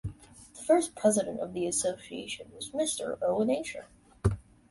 The first President of the association was Mr. Owen Aisher.